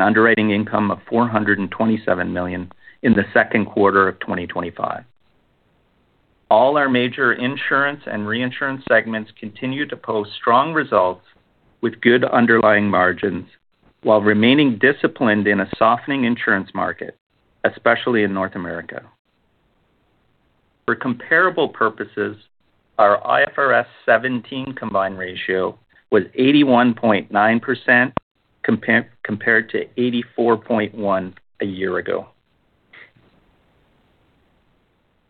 Underwriting income of $427 million in the second quarter of 2025. All our major insurance and reinsurance segments continue to post strong results with good underlying margins while remaining disciplined in a softening insurance market, especially in North America. For comparable purposes, our IFRS 17 combined ratio was 81.9% compared to 84.1% a year ago.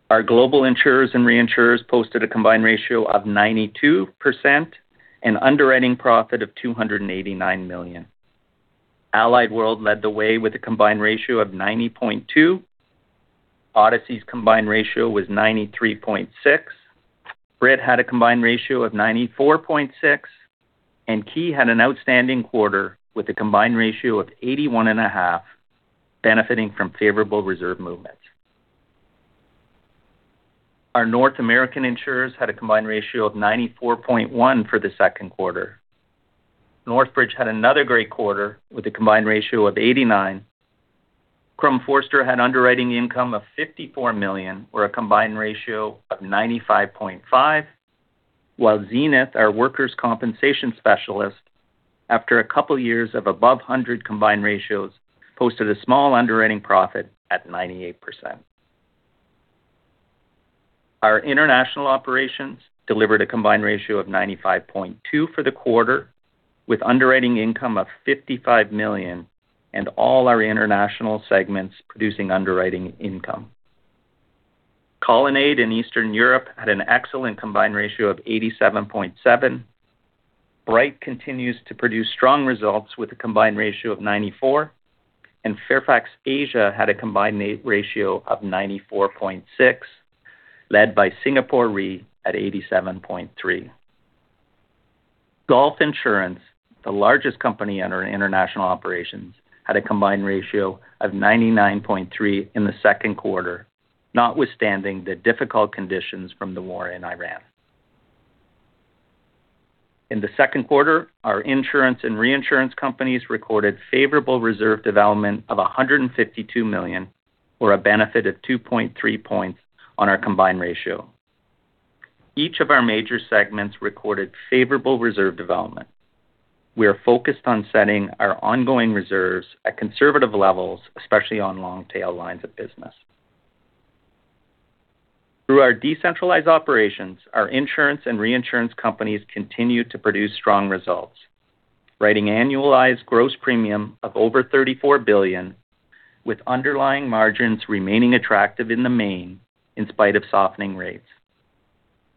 Our global insurers and reinsurers posted a combined ratio of 92% and underwriting profit of $289 million. Allied World led the way with a combined ratio of 90.2%. Odyssey's combined ratio was 93.6%. Brit had a combined ratio of 94.6%, and Ki had an outstanding quarter with a combined ratio of 81.5%, benefiting from favorable reserve movements. Our North American insurers had a combined ratio of 94.1% for the second quarter. Northbridge had another great quarter with a combined ratio of 89%. Crum & Forster had underwriting income of $54 million or a combined ratio of 95.5%, while Zenith, our workers' compensation specialist, after a couple of years of above 100 combined ratios, posted a small underwriting profit at 98%. Our international operations delivered a combined ratio of 95.2% for the quarter, with underwriting income of $55 million and all our international segments producing underwriting income. Colonnade in Eastern Europe had an excellent combined ratio of 87.7%. Bryte continues to produce strong results with a combined ratio of 94%, and Fairfax Asia had a combined ratio of 94.6%, led by Singapore Re at 87.3%. Gulf Insurance had a combined ratio of 99.3% in the second quarter, notwithstanding the difficult conditions from the war in Iran. In the second quarter, our insurance and reinsurance companies recorded favorable reserve development of $152 million or a benefit of 2.3 points on our combined ratio. Each of our major segments recorded favorable reserve development. We are focused on setting our ongoing reserves at conservative levels, especially on long-tail lines of business. Through our decentralized operations, our insurance and reinsurance companies continued to produce strong results, writing annualized gross premium of over $34 billion, with underlying margins remaining attractive in the main, in spite of softening rates.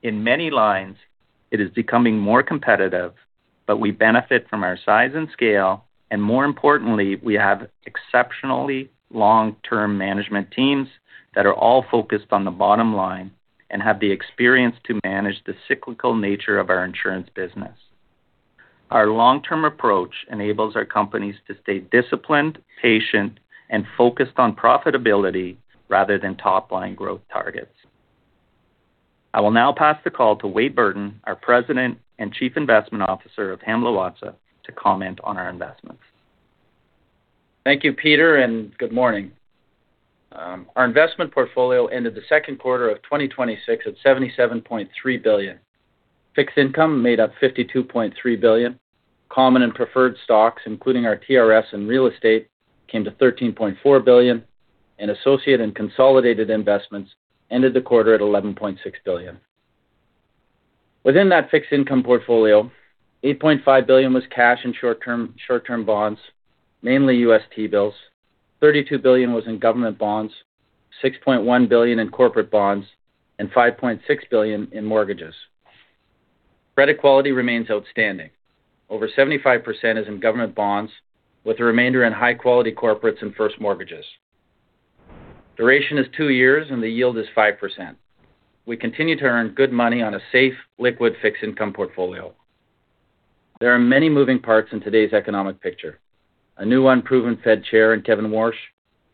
In many lines, it is becoming more competitive, but we benefit from our size and scale. More importantly, we have exceptionally long-term management teams that are all focused on the bottom line and have the experience to manage the cyclical nature of our insurance business. Our long-term approach enables our companies to stay disciplined, patient, and focused on profitability rather than top-line growth targets. I will now pass the call to Wade Burton, our President and Chief Investment Officer of Hamblin Watsa, to comment on our investments. Thank you, Peter, and good morning. Our investment portfolio ended the second quarter of 2026 at 77.3 billion. Fixed income made up 52.3 billion. Common and preferred stocks, including our TRS and real estate, came to 13.4 billion, and associate and consolidated investments ended the quarter at 11.6 billion. Within that fixed income portfolio, 8.5 billion was cash and short-term bonds, mainly U.S. T-bills. 32 billion was in government bonds, 6.1 billion in corporate bonds, and 5.6 billion in mortgages. Credit quality remains outstanding. Over 75% is in government bonds, with the remainder in high-quality corporates and first mortgages. Duration is two years, and the yield is 5%. We continue to earn good money on a safe, liquid fixed income portfolio. There are many moving parts in today's economic picture. A new unproven Fed chair in Kevin Warsh,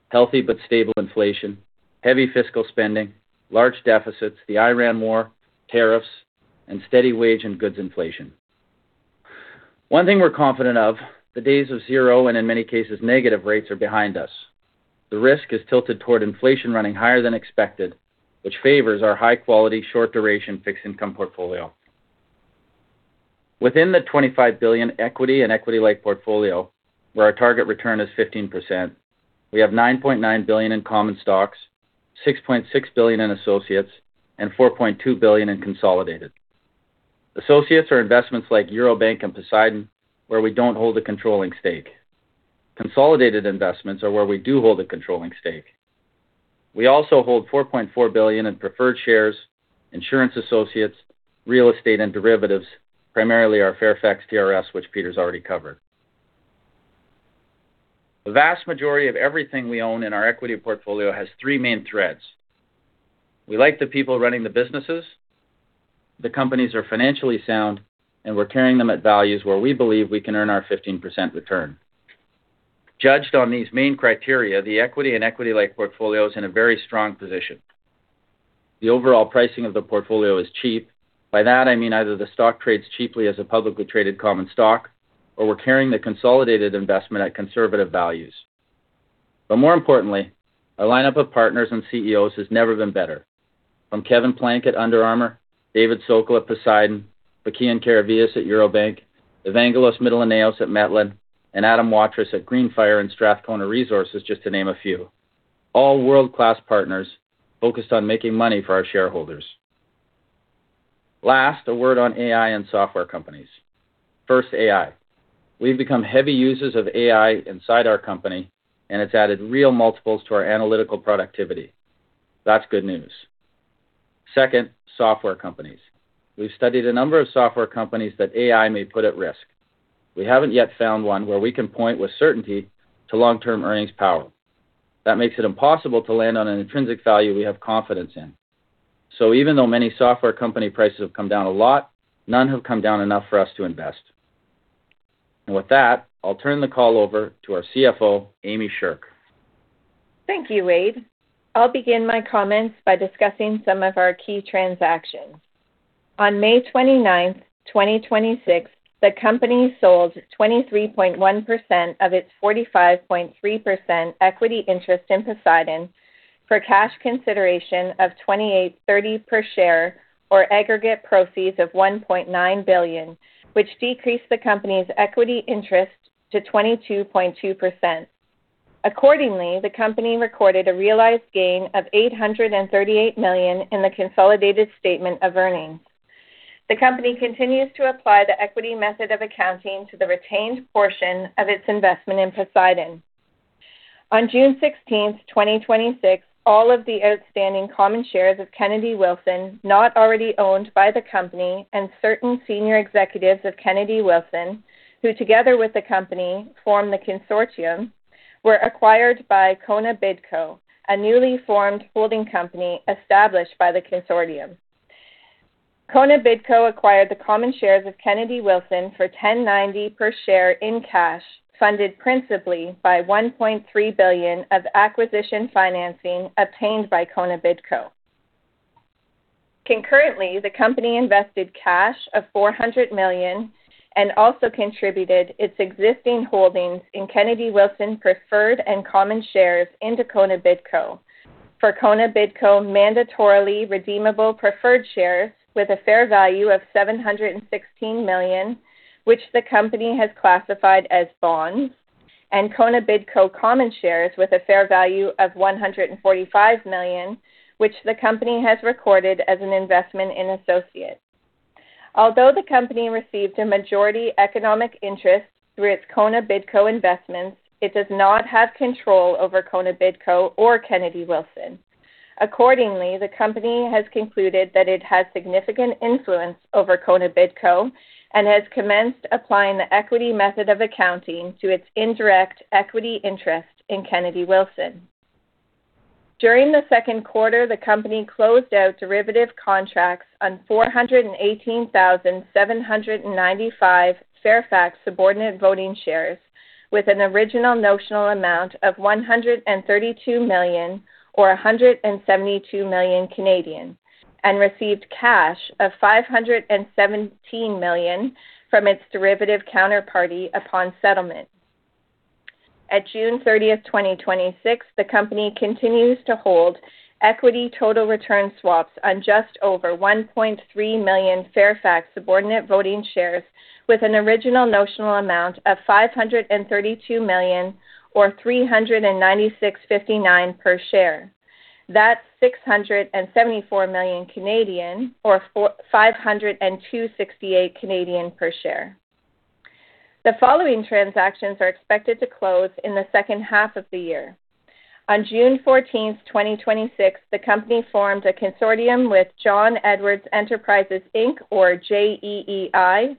healthy but stable inflation, heavy fiscal spending, large deficits, the Iran war, tariffs, and steady wage and goods inflation. One thing we're confident of, the days of zero, and in many cases negative rates are behind us. The risk is tilted toward inflation running higher than expected, which favors our high-quality, short-duration fixed income portfolio. Within the 25 billion equity and equity-like portfolio, where our target return is 15%, we have 9.9 billion in common stocks, 6.6 billion in associates, and 4.2 billion in consolidated. Associates are investments like Eurobank and Poseidon, where we don't hold a controlling stake. Consolidated investments are where we do hold a controlling stake. We also hold 4.4 billion in preferred shares, insurance associates, real estate, and derivatives, primarily our Fairfax TRS, which Peter's already covered. The vast majority of everything we own in our equity portfolio has three main threads. We like the people running the businesses, the companies are financially sound, and we're carrying them at values where we believe we can earn our 15% return. Judged on these main criteria, the equity and equity-like portfolio is in a very strong position. The overall pricing of the portfolio is cheap. By that, I mean either the stock trades cheaply as a publicly traded common stock, or we're carrying the consolidated investment at conservative values. More importantly, our lineup of partners and CEOs has never been better. From Kevin Plank at Under Armour, David Sokol at Poseidon, Fokion Karavias at Eurobank, Evangelos Mytilineos at Mytilineos, and Adam Waterous at Greenfire and Strathcona Resources, just to name a few. All world-class partners focused on making money for our shareholders. Last, a word on AI and software companies. First, AI. We've become heavy users of AI inside our company, and it's added real multiples to our analytical productivity. That's good news. Second, software companies. We've studied a number of software companies that AI may put at risk. We haven't yet found one where we can point with certainty to long-term earnings power. That makes it impossible to land on an intrinsic value we have confidence in. Even though many software company prices have come down a lot, none have come down enough for us to invest. With that, I'll turn the call over to our CFO, Amy Sherk. Thank you, Wade. I'll begin my comments by discussing some of our key transactions. On May 29th, 2026, the company sold 23.1% of its 45.3% equity interest in Poseidon for cash consideration of $28.30 per share or aggregate proceeds of $1.9 billion, which decreased the company's equity interest to 22.2%. Accordingly, the company recorded a realized gain of $838 million in the consolidated statement of earnings. The company continues to apply the equity method of accounting to the retained portion of its investment in Poseidon. On June 16th, 2026, all of the outstanding common shares of Kennedy Wilson, not already owned by the company and certain senior executives of Kennedy Wilson, who together with the company formed the consortium, were acquired by Kona Bidco, a newly formed holding company established by the consortium. Kona Bidco acquired the common shares of Kennedy Wilson for $10.90 per share in cash, funded principally by $1.3 billion of acquisition financing obtained by Kona Bidco. Concurrently, the company invested cash of $400 million and also contributed its existing holdings in Kennedy Wilson preferred and common shares into Kona Bidco for Kona Bidco mandatorily redeemable preferred shares with a fair value of $716 million, which the company has classified as bonds, and Kona Bidco common shares with a fair value of $145 million, which the company has recorded as an investment in associates. Although the company received a majority economic interest through its Kona Bidco investments, it does not have control over Kona Bidco or Kennedy Wilson. Accordingly, the company has concluded that it has significant influence over Kona Bidco and has commenced applying the equity method of accounting to its indirect equity interest in Kennedy Wilson. During the second quarter, the company closed out derivative contracts on 418,795 Fairfax subordinate voting shares with an original notional amount of $132 million or 172 million Canadian dollars and received cash of 517 million from its derivative counterparty upon settlement. At June 30th, 2026, the company continues to hold equity total return swaps on just over 1.3 million Fairfax subordinate voting shares with an original notional amount of 532 million or 396.59 per share. That's 674 million Canadian dollars or 502.68 Canadian dollars per share. The following transactions are expected to close in the second half of the year. On June 14th, 2026, the company formed a consortium with John Edwards Enterprises, Inc., or JEEI.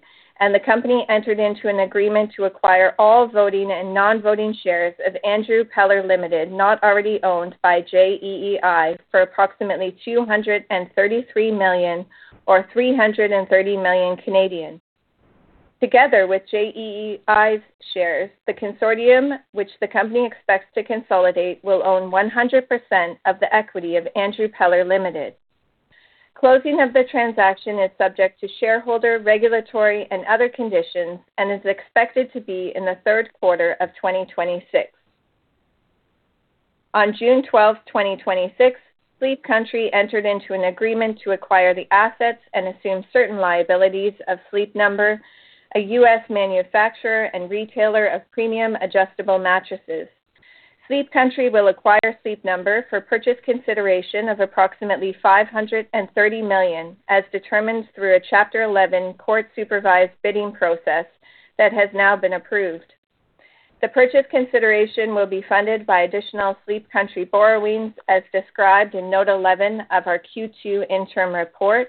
The company entered into an agreement to acquire all voting and non-voting shares of Andrew Peller Limited, not already owned by JEEI, for approximately $233 million or 330 million. Together with JEEI's shares, the consortium which the company expects to consolidate will own 100% of the equity of Andrew Peller Limited. Closing of the transaction is subject to shareholder, regulatory, and other conditions and is expected to be in the third quarter of 2026. On June 12th, 2026, Sleep Country entered into an agreement to acquire the assets and assume certain liabilities of Sleep Number, a U.S. manufacturer and retailer of premium adjustable mattresses. Sleep Country will acquire Sleep Number for purchase consideration of approximately $530 million, as determined through a Chapter 11 court-supervised bidding process that has now been approved. The purchase consideration will be funded by additional Sleep Country borrowings as described in Note 11 of our Q2 interim report.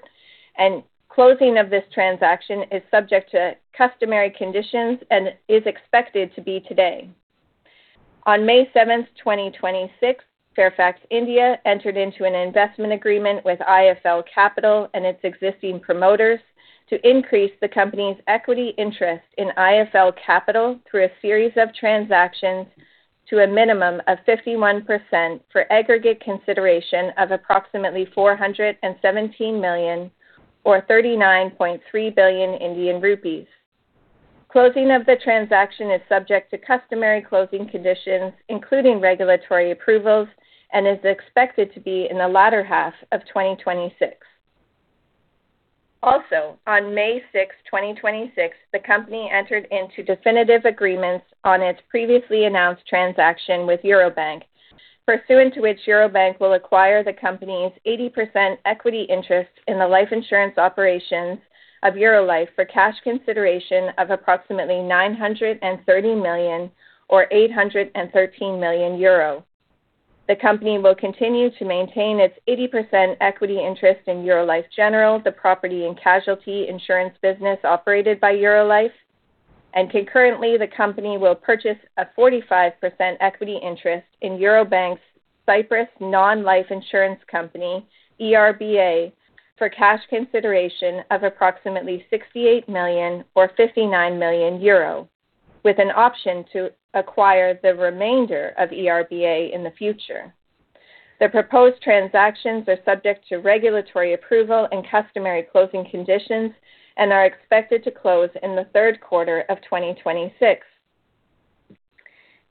Closing of this transaction is subject to customary conditions and is expected to be today. On May 7th, 2026, Fairfax India entered into an investment agreement with IIFL Capital and its existing promoters to increase the company's equity interest in IIFL Capital through a series of transactions to a minimum of 51% for aggregate consideration of approximately $417 million or 39.3 billion Indian rupees. Closing of the transaction is subject to customary closing conditions, including regulatory approvals, is expected to be in the latter half of 2026. On May 6th, 2026, the company entered into definitive agreements on its previously announced transaction with Eurobank, pursuant to which Eurobank will acquire the company's 80% equity interest in the life insurance operations of Eurolife for cash consideration of approximately 930 million or 813 million euro. The company will continue to maintain its 80% equity interest in Eurolife General, the property and casualty insurance business operated by Eurolife. Concurrently, the company will purchase a 45% equity interest in Eurobank's Cyprus non-life insurance company, ERBA, for cash consideration of approximately 68 million or 59 million euro, with an option to acquire the remainder of ERBA in the future. The proposed transactions are subject to regulatory approval and customary closing conditions, are expected to close in the third quarter of 2026.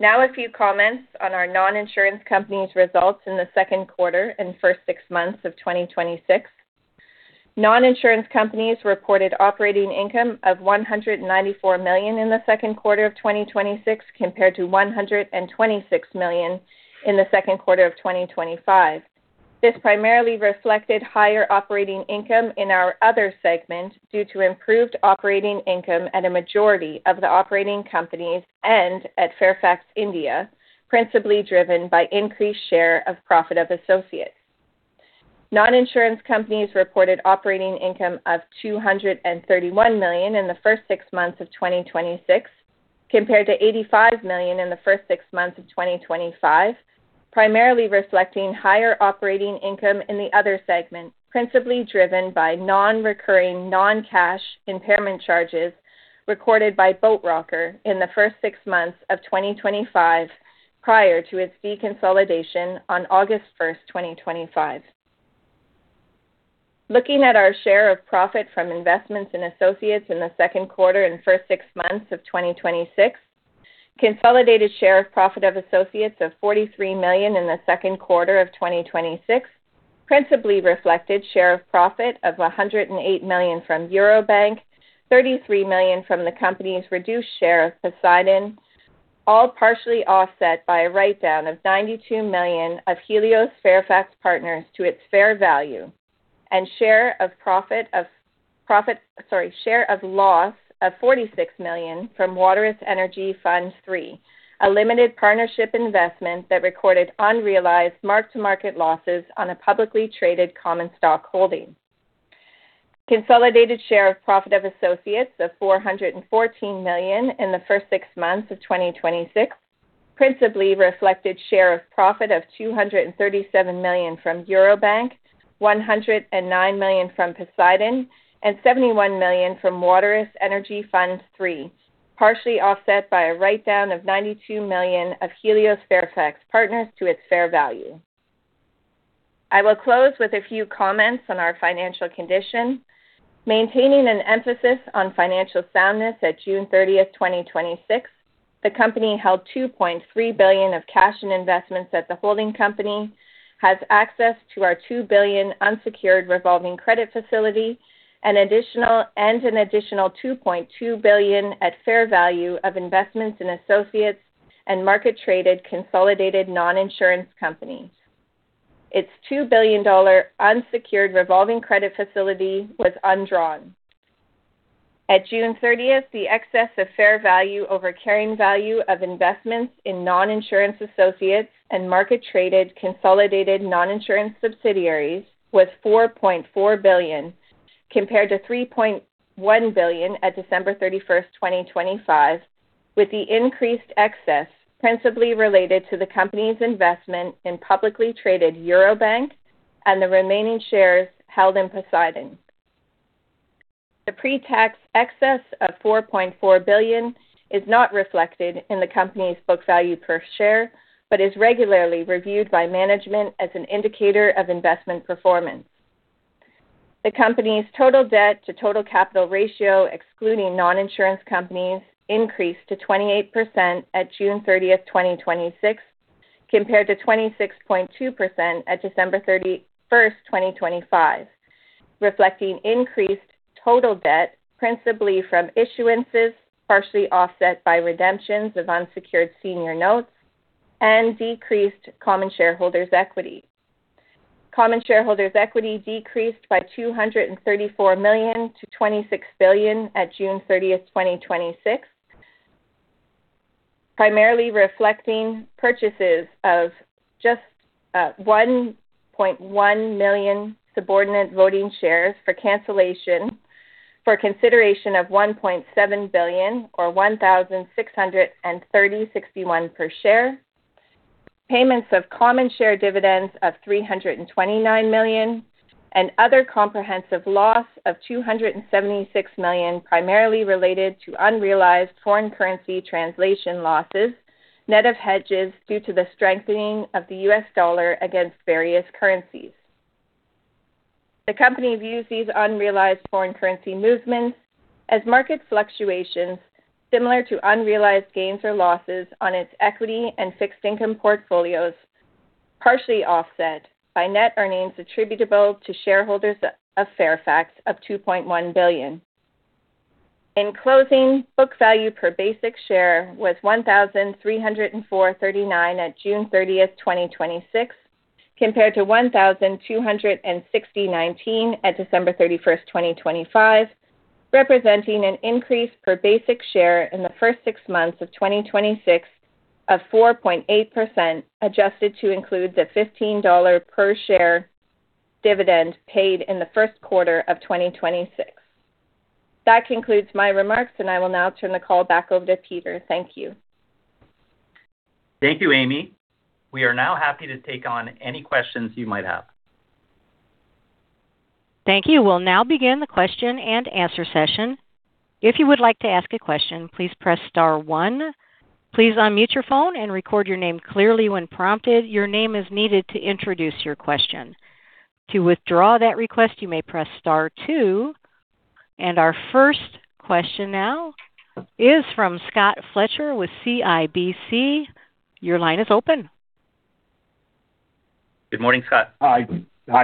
A few comments on our non-insurance companies results in the second quarter and first six months of 2026. Non-insurance companies reported operating income of $194 million in the second quarter of 2026 compared to $126 million in the second quarter of 2025. This primarily reflected higher operating income in our other segment due to improved operating income at a majority of the operating companies and at Fairfax India, principally driven by increased share of profit of associates. Non-insurance companies reported operating income of $231 million in the first six months of 2026 compared to $85 million in the first six months of 2025, primarily reflecting higher operating income in the other segment, principally driven by non-recurring, non-cash impairment charges recorded by Boat Rocker in the first six months of 2025 prior to its deconsolidation on August 1st, 2025. Looking at our share of profit from investments in associates in the second quarter and first six months of 2026, consolidated share of profit of associates of 43 million in the second quarter of 2026 principally reflected share of profit of 108 million from Eurobank, 33 million from the company's reduced share of Poseidon, all partially offset by a write-down of 92 million of Helios Fairfax Partners to its fair value and share of loss of 46 million from Waterous Energy Fund III, a limited partnership investment that recorded unrealized mark-to-market losses on a publicly traded common stock holding. Consolidated share of profit of associates of 414 million in the first six months of 2026 principally reflected share of profit of 237 million from Eurobank, 109 million from Poseidon, and 71 million from Waterous Energy Fund III, partially offset by a write-down of 92 million of Helios Fairfax Partners to its fair value. I will close with a few comments on our financial condition. Maintaining an emphasis on financial soundness at June 30th, 2026, the company held 2.3 billion of cash and investments at the holding company, has access to our 2 billion unsecured revolving credit facility, and an additional 2.2 billion at fair value of investments in associates and market-traded consolidated non-insurance companies. Its 2 billion dollar unsecured revolving credit facility was undrawn. At June 30th, the excess of fair value over carrying value of investments in non-insurance associates and market-traded consolidated non-insurance subsidiaries was 4.4 billion, compared to 3.1 billion at December 31st, 2025, with the increased excess principally related to the company's investment in publicly traded Eurobank and the remaining shares held in Poseidon. The pre-tax excess of 4.4 billion is not reflected in the company's book value per share, but is regularly reviewed by management as an indicator of investment performance. The company's total debt to total capital ratio, excluding non-insurance companies, increased to 28% at June 30th, 2026, compared to 26.2% at December 31st, 2025, reflecting increased total debt, principally from issuances, partially offset by redemptions of unsecured senior notes and decreased common shareholders' equity. Common shareholders' equity decreased by 234 million to 26 billion at June 30th, 2026, primarily reflecting purchases of just 1.1 million subordinate voting shares for cancellation for consideration of 1.7 billion, or 1,630.61 per share, payments of common share dividends of 329 million and other comprehensive loss of 276 million, primarily related to unrealized foreign currency translation losses, net of hedges due to the strengthening of the U.S. dollar against various currencies. The company views these unrealized foreign currency movements as market fluctuations, similar to unrealized gains or losses on its equity and fixed income portfolios, partially offset by net earnings attributable to shareholders of Fairfax of 2.1 billion. In closing, book value per basic share was $1,304.39 at June 30th, 2026, compared to $1,260.19 at December 31st, 2025, representing an increase per basic share in the first six months of 2026 of 4.8%, adjusted to include the $15 per share dividend paid in the first quarter of 2026. That concludes my remarks, and I will now turn the call back over to Peter. Thank you. Thank you, Amy. We are now happy to take on any questions you might have. Thank you. We'll now begin the question-and-answer session. If you would like to ask a question, please press star one. Please unmute your phone and record your name clearly when prompted. Your name is needed to introduce your question. To withdraw that request, you may press star two. Our first question now is from Scott Fletcher with CIBC. Your line is open. Good morning, Scott. Hi.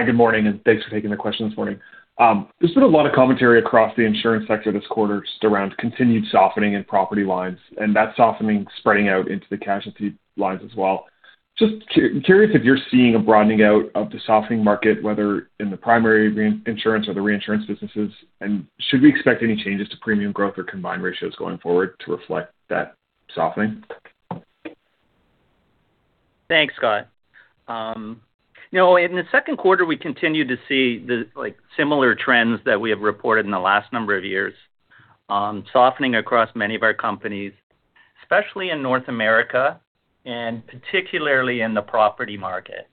Good morning, and thanks for taking the question this morning. There's been a lot of commentary across the insurance sector this quarter just around continued softening in property lines, and that softening spreading out into the casualty lines as well. Just curious if you're seeing a broadening out of the softening market, whether in the primary insurance or the reinsurance businesses, and should we expect any changes to premium growth or combined ratios going forward to reflect that softening? Thanks, Scott. In the second quarter, we continued to see similar trends that we have reported in the last number of years, softening across many of our companies, especially in North America and particularly in the property market.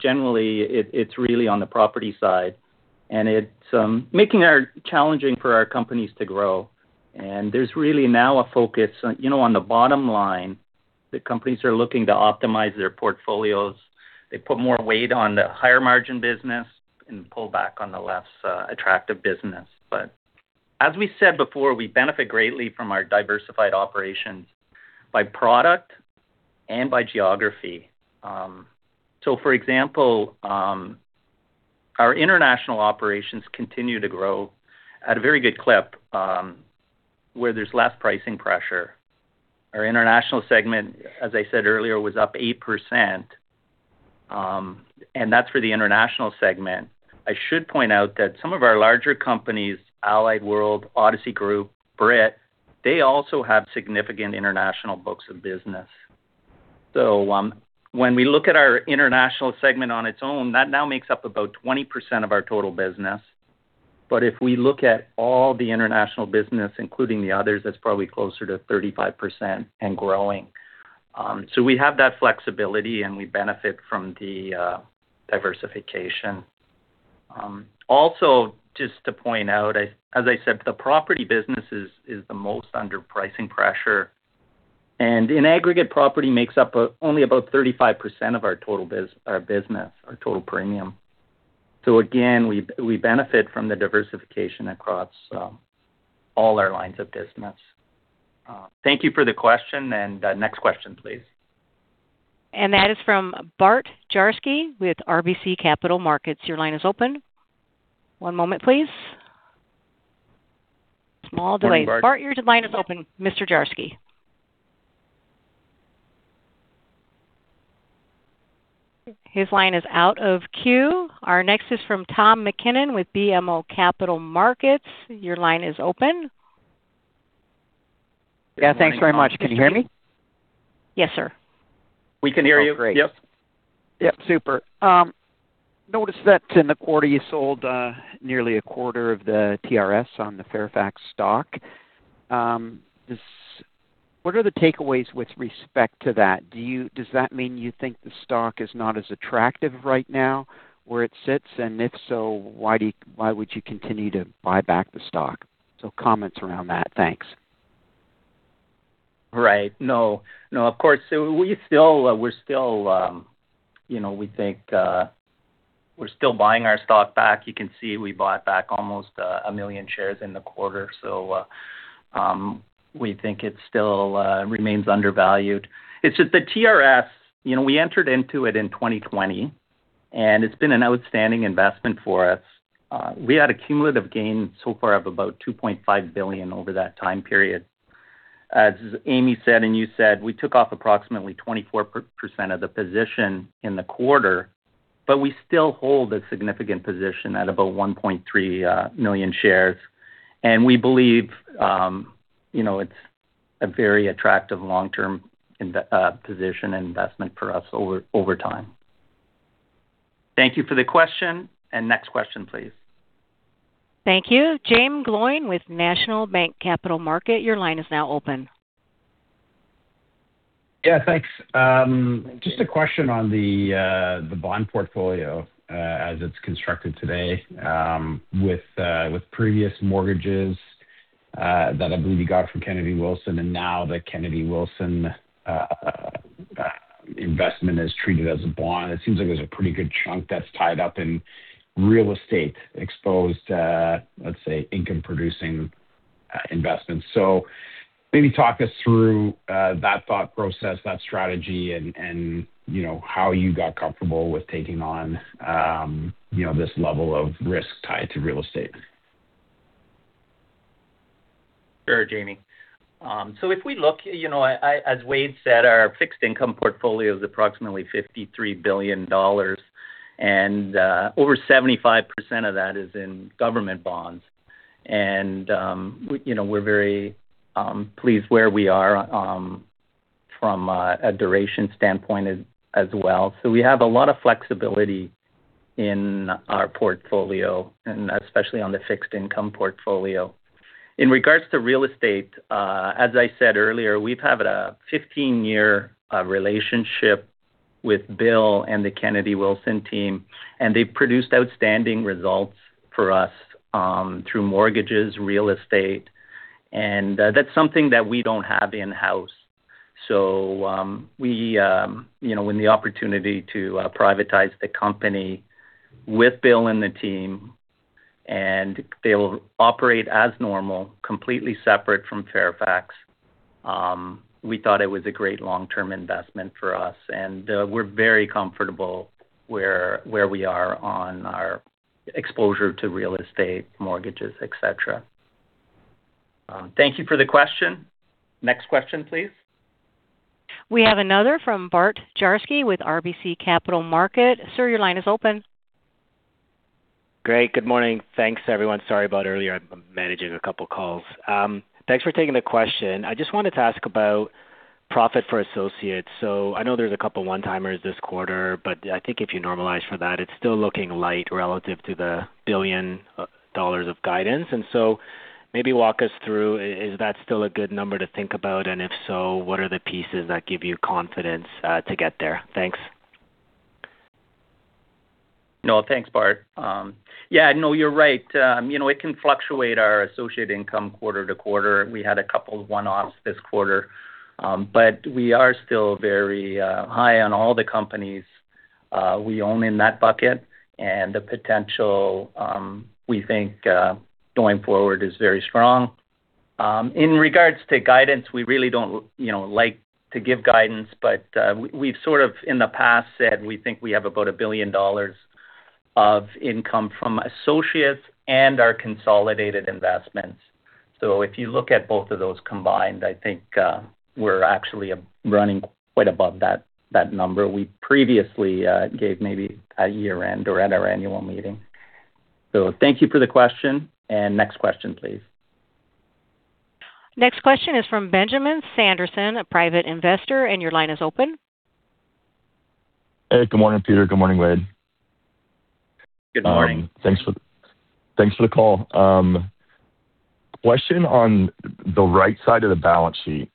Generally, it's really on the property side, and it's making it challenging for our companies to grow. There's really now a focus on the bottom line. The companies are looking to optimize their portfolios. They put more weight on the higher-margin business and pull back on the less attractive business. As we said before, we benefit greatly from our diversified operations by product and by geography. For example, our international operations continue to grow at a very good clip, where there's less pricing pressure. Our international segment, as I said earlier, was up 8%, and that's for the international segment. I should point out that some of our larger companies, Allied World, Odyssey Group, Brit, they also have significant international books of business. When we look at our international segment on its own, that now makes up about 20% of our total business. If we look at all the international business, including the others, that's probably closer to 35% and growing. We have that flexibility, and we benefit from the diversification. Also, just to point out, as I said, the property business is the most under pricing pressure. In aggregate, property makes up only about 35% of our total business, our total premium. Again, we benefit from the diversification across all our lines of business. Thank you for the question. Next question, please. That is from Bart Dziarski with RBC Capital Markets. Your line is open. One moment, please. Small delays. Bart, your line is open. Mr. Dziarski. His line is out of queue. Our next is from Tom MacKinnon with BMO Capital Markets. Your line is open. Yeah, thanks very much. Can you hear me? Yes, sir. We can hear you. Oh, great. Yep. Yep, super. Notice that in the quarter, you sold nearly a quarter of the TRS on the Fairfax stock. What are the takeaways with respect to that? Does that mean you think the stock is not as attractive right now where it sits? If so, why would you continue to buy back the stock? Comments around that. Thanks. Right. No, of course. We're still buying our stock back. You can see we bought back almost 1 million shares in the quarter. We think it still remains undervalued. It's just the TRS, we entered into it in 2020, and it's been an outstanding investment for us. We had a cumulative gain so far of about $2.5 billion over that time period. As Amy said, and you said, we took off approximately 24% of the position in the quarter, but we still hold a significant position at about 1.3 million shares. We believe it's a very attractive long-term position and investment for us over time. Thank you for the question. Next question, please. Thank you. Jaeme Gloyn with National Bank Capital Markets, your line is now open. Yeah, thanks. Thank you. Just a question on the bond portfolio as it's constructed today with previous mortgages that I believe you got from Kennedy Wilson. Now the Kennedy Wilson investment is treated as a bond. It seems like there's a pretty good chunk that's tied up in real estate exposed to, let's say, income-producing investments. Maybe talk us through that thought process, that strategy, and how you got comfortable with taking on this level of risk tied to real estate. Sure, Jaeme. If we look, as Wade said, our fixed income portfolio is approximately 53 billion dollars, and over 75% of that is in government bonds. We're very pleased where we are from a duration standpoint as well. We have a lot of flexibility in our portfolio, and especially on the fixed income portfolio. In regards to real estate, as I said earlier, we've had a 15-year relationship with Bill and the Kennedy Wilson team. They've produced outstanding results for us through mortgages, real estate, and that's something that we don't have in-house. When the opportunity to privatize the company with Bill and the team, they'll operate as normal, completely separate from Fairfax, we thought it was a great long-term investment for us. We're very comfortable where we are on our exposure to real estate mortgages, et cetera. Thank you for the question. Next question, please. We have another from Bart Dziarski with RBC Capital Markets. Sir, your line is open. Great. Good morning. Thanks, everyone. Sorry about earlier. I'm managing a couple of calls. Thanks for taking the question. I just wanted to ask about profit for associates. I know there's a couple of one-timers this quarter, but I think if you normalize for that, it's still looking light relative to the $1 billion of guidance. Maybe walk us through, is that still a good number to think about? If so, what are the pieces that give you confidence to get there? Thanks. No, thanks, Bart. Yeah, no, you're right. It can fluctuate our associate income quarter-to-quarter. We had a couple of one-offs this quarter. We are still very high on all the companies we own in that bucket, and the potential, we think, going forward is very strong. In regards to guidance, we really don't like to give guidance, but we've sort of in the past said we think we have about $1 billion of income from associates and our consolidated investments. If you look at both of those combined, I think we're actually running quite above that number we previously gave maybe at year-end or at our annual meeting. Thank you for the question. Next question, please. Next question is from Benjamin Sanderson, a private investor, your line is open. Good morning, Peter. Good morning, Wade. Good morning. Thanks for the call. Question on the right side of the balance sheet,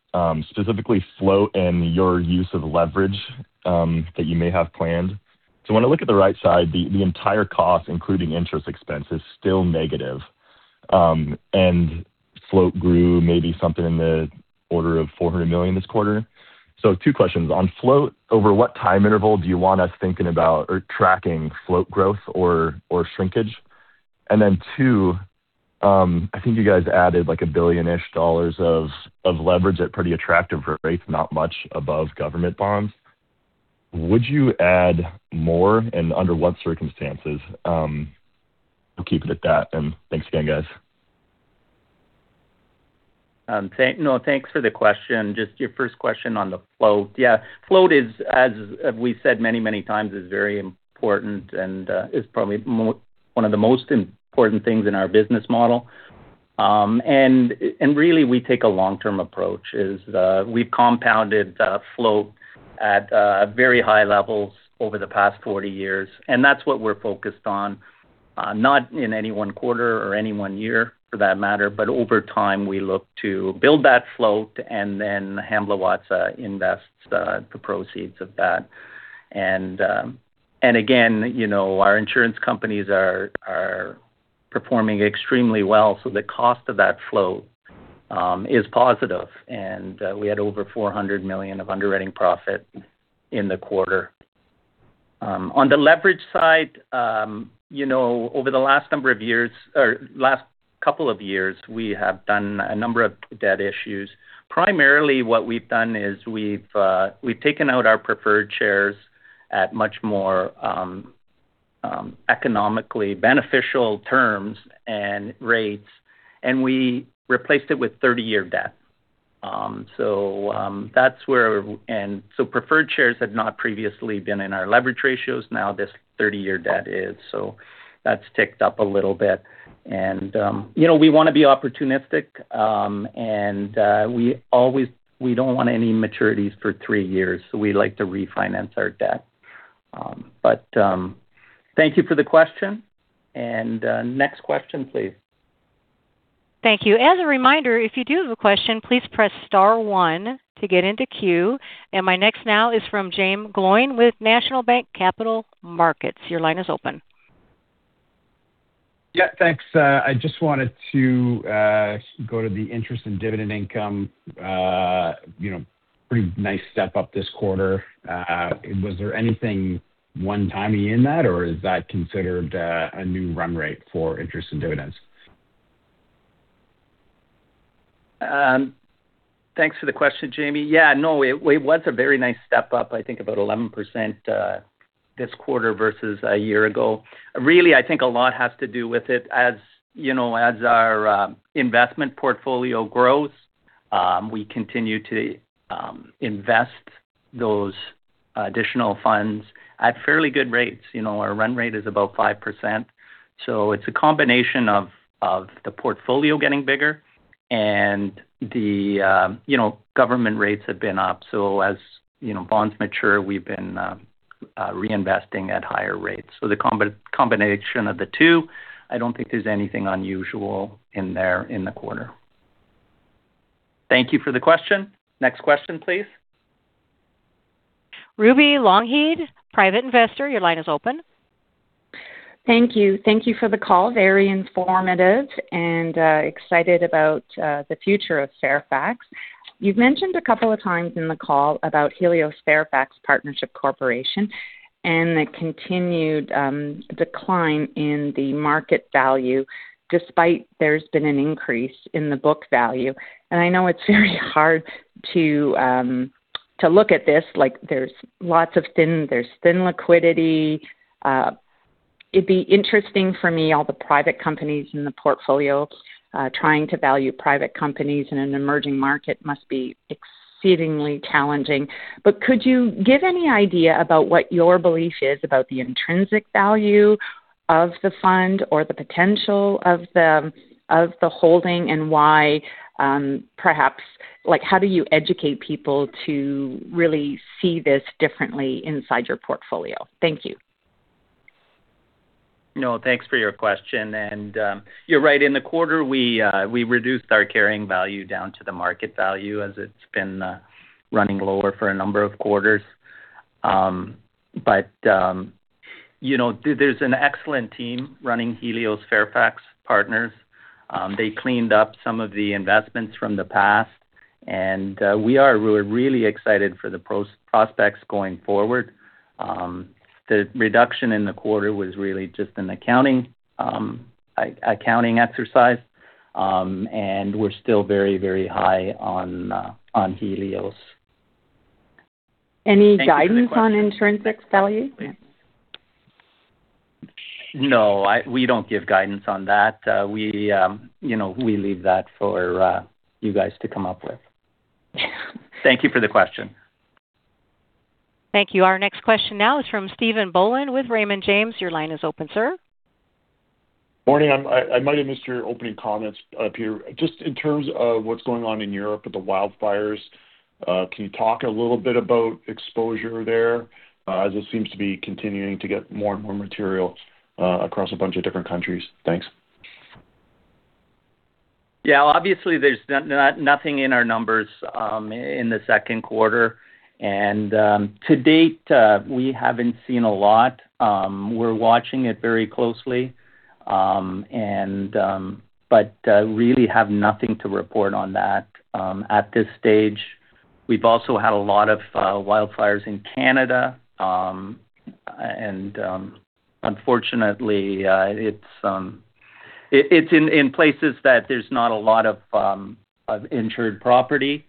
specifically float and your use of leverage that you may have planned. When I look at the right side, the entire cost, including interest expense, is still negative. Float grew maybe something in the order of $400 million this quarter. Two questions. On float, over what time interval do you want us thinking about or tracking float growth or shrinkage? Then two, I think you guys added like $1 billion-ish of leverage at pretty attractive rates, not much above government bonds. Would you add more, and under what circumstances? I'll keep it at that, thanks again, guys. Thanks for the question. Just your first question on the float. Float is, as we've said many times, is very important and is probably one of the most important things in our business model. Really, we take a long-term approach. We've compounded float at very high levels over the past 40 years, and that's what we're focused on. Not in any one quarter or any one year for that matter, but over time, we look to build that float and then Hamblin Watsa invest the proceeds of that. Again, our insurance companies are performing extremely well, so the cost of that float is positive. We had over $400 million of underwriting profit in the quarter. On the leverage side, over the last couple of years, we have done a number of debt issues. Primarily what we've done is we've taken out our preferred shares at much more economically beneficial terms and rates, and we replaced it with 30-year debt. Preferred shares had not previously been in our leverage ratios. Now this 30-year debt is. That's ticked up a little bit. We want to be opportunistic, and we don't want any maturities for three years, so we like to refinance our debt. Thank you for the question. Next question, please. Thank you. As a reminder, if you do have a question, please press star one to get into queue. My next now is from Jaeme Gloyn with National Bank Capital Markets. Your line is open. Yeah, thanks. I just wanted to go to the interest in dividend income. Pretty nice step up this quarter. Was there anything one-timey in that, or is that considered a new run rate for interest and dividends? Thanks for the question, Jaeme. Yeah, no, it was a very nice step up, I think about 11% this quarter versus a year ago. Really, I think a lot has to do with it. As our investment portfolio grows, we continue to invest those additional funds at fairly good rates. Our run rate is about 5%. It's a combination of the portfolio getting bigger and the government rates have been up. As bonds mature, we've been reinvesting at higher rates. The combination of the two, I don't think there's anything unusual in there in the quarter. Thank you for the question. Next question, please. Ruby Lougheed, Private Investor. Your line is open. Thank you. Thank you for the call. Very informative and excited about the future of Fairfax. You've mentioned a couple of times in the call about Helios Fairfax Partners Corporation and the continued decline in the market value, despite there's been an increase in the book value. I know it's very hard to look at this, there's thin liquidity. It'd be interesting for me, all the private companies in the portfolio trying to value private companies in an emerging market must be exceedingly challenging. Could you give any idea about what your belief is about the intrinsic value of the fund or the potential of the holding and why perhaps, how do you educate people to really see this differently inside your portfolio? Thank you. No, thanks for your question. You're right. In the quarter, we reduced our carrying value down to the market value as it's been running lower for a number of quarters. There's an excellent team running Helios Fairfax Partners. They cleaned up some of the investments from the past, we are really excited for the prospects going forward. The reduction in the quarter was really just an accounting exercise. We're still very high on Helios. Any guidance on intrinsic value? No, we don't give guidance on that. We leave that for you guys to come up with. Thank you for the question. Thank you. Our next question now is from Stephen Boland with Raymond James. Your line is open, sir. Morning. I might have missed your opening comments, Peter. In terms of what's going on in Europe with the wildfires, can you talk a little bit about exposure there? It seems to be continuing to get more and more material across a bunch of different countries. Thanks. Obviously, there's nothing in our numbers in the second quarter. To date, we haven't seen a lot. We're watching it very closely but really have nothing to report on that at this stage. We've also had a lot of wildfires in Canada. Unfortunately, it's in places that there's not a lot of insured property.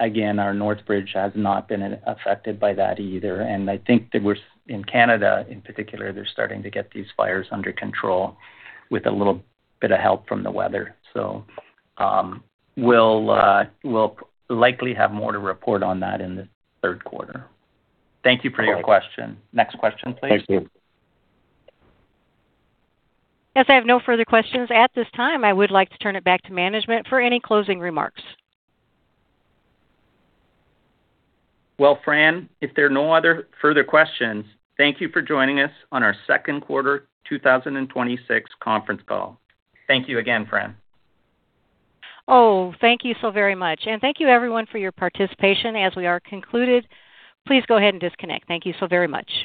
Again, our Northbridge has not been affected by that either. I think that in Canada in particular, they're starting to get these fires under control with a little bit of help from the weather. We'll likely have more to report on that in the third quarter. Thank you for your question. Next question, please. Thank you. As I have no further questions at this time, I would like to turn it back to management for any closing remarks. Well, Fran, if there are no other further questions, thank you for joining us on our second quarter 2026 conference call. Thank you again, Fran. Oh, thank you so very much. Thank you everyone for your participation as we are concluded. Please go ahead and disconnect. Thank you so very much.